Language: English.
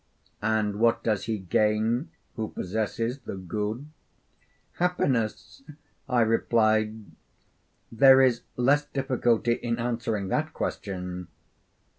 'And what does he gain who possesses the good?' 'Happiness,' I replied; 'there is less difficulty in answering that question.'